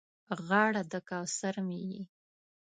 غاړه د کوثر مې یې